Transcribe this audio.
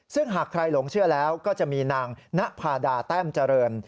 ซึ่งหากใครหลงเชื่อแล้วก็จะมีนางณภาดาแต้มเจริญ